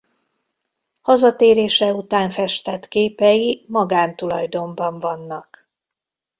Hazatérése után festett képei magántulajdonban vannak.